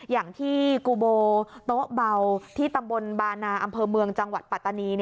อย่างที่กูโบโต๊ะเบาที่ตำบลบานาอำเภอเมืองจังหวัดปัตตานี